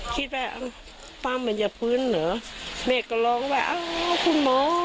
คิดว่าปั๊มมันจะพื้นเหรอแม่ก็ร้องว่าอ้าวคุณหมอ